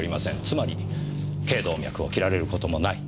つまり頚動脈を切られる事もない。